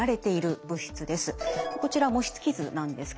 こちら模式図なんですけども。